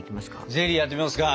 ゼリーやってみますか。